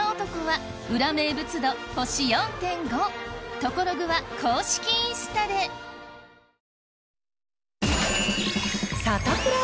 トコログは公式インスタでサタプラ。